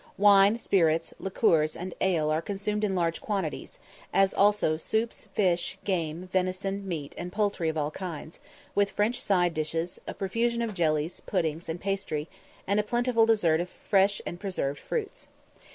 Wine, spirits, liqueurs, and ale are consumed in large quantities, as also soups, fish, game, venison, meat, and poultry of all kinds, with French side dishes, a profusion of jellies, puddings, and pastry, and a plentiful dessert of fresh and preserved fruits.